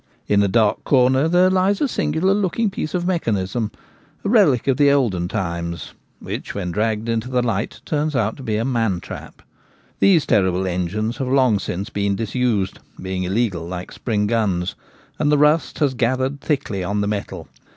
In a dark corner there lies a singular looking piece of mechanism, a relic of the olden times, which when dragged into the light turns out to be a man trap. These terrible engines have long since been disused — Contents of the Outhouses. being illegal, like spring guns — and the rust has gathered thickly on the metal.